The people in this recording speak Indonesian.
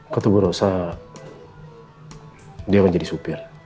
ketua rosa dia akan jadi supir